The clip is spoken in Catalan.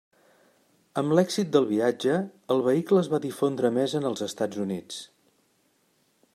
Amb l'èxit del viatge el vehicle es va difondre més en els Estats Units.